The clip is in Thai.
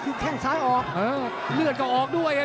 ติดตามยังน้อยกว่า